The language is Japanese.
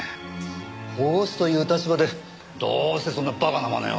保護司という立場でどうしてそんな馬鹿なまねを。